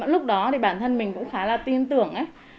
lúc đó thì bản thân mình cũng khá là tin tưởng